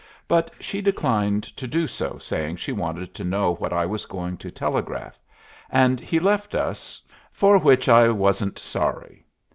But she declined to do so, saying she wanted to know what I was going to telegraph; and he left us, for which I wasn't sorry.